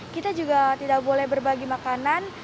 kita juga tidak boleh berbagi makanan